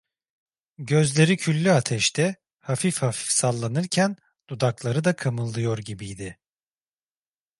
Gözleri küllü ateşte, hafif hafif sallanırken dudakları da kımıldıyor gibiydi.